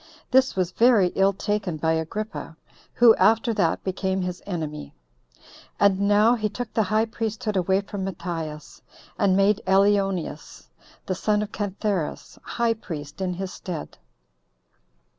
This was very ill taken by Agrippa, who after that became his enemy. And now he took the high priesthood away from Matthias, and made Elioneus, the son of Cantheras, high priest in his stead.